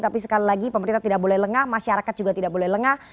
tapi sekali lagi pemerintah tidak boleh lengah masyarakat juga tidak boleh lengah